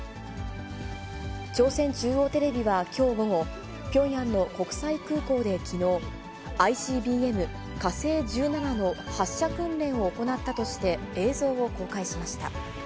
朝鮮中央テレビはきょう午後、ピョンヤンの国際空港できのう、ＩＣＢＭ、火星１７の発射訓練を行ったとして、映像を公開しました。